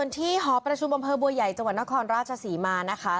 ในหอประชุมบันเผอร์บัวใหญ่จังหวะนครราชสีมาล่ะค่ะ